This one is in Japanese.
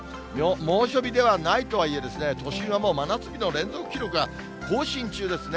猛暑日ではないとはいえ、都心はもう真夏日の連続記録が更新中ですね。